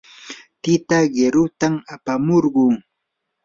tita qirutam apamurquu.